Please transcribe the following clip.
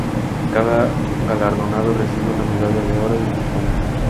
Cada galardonado recibe una medalla de oro y un diploma.